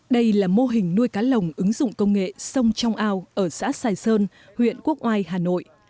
đây là mô hình nuôi cá lồng ứng dụng công nghệ sông trong ao ở xã sài sơn huyện quốc oai hà nội